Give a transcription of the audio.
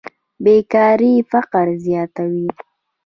بېکاري فقر زیاتوي.